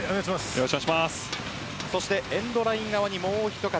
そしてエンドライン側にもうひと方。